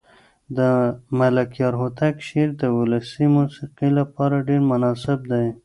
د ملکیار هوتک شعر د ولسي موسیقۍ لپاره ډېر مناسب دی.